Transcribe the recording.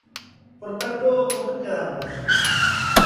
Por tanto, ¿con que quedamos?